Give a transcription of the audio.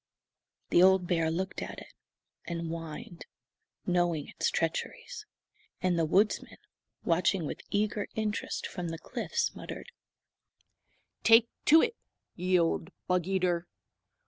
The old bear looked at it, and whined, knowing its treacheries. And the woodsman, watching with eager interest from the cliffs, muttered: "Take to it, ye old bug eater!